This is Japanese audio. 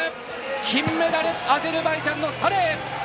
金メダルアゼルバイジャンのサレイ。